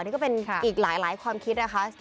นี่ก็เป็นอีกหลายความคิดนะคะ